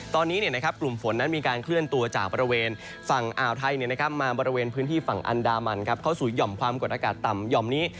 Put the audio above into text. ตอนนี้กลุ่มฝนนั้นมีการเคลื่อนตัวจากบริเวณฝั่งอ่าวไทยมาบริเวณพื้นที่ฝั่งอันดามันเข้าสู่หย่อมความกดอากาศต่ำหย่อมนี้